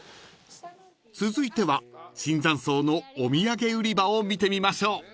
［続いては椿山荘のお土産売り場を見てみましょう］